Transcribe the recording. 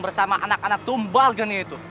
bersama anak anak tumbal geni itu